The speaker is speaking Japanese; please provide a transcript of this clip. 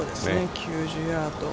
９０ヤード。